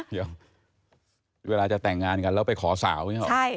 เดี๋ยวเวลาจะแต่งงานกันแล้วไปขอสาวอย่างนี้หรอ